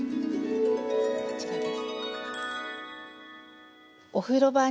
こちらです。